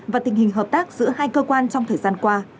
và tình hình hợp tác giữa hai cơ quan trong thời gian qua